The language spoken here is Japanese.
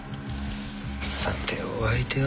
さてお相手は？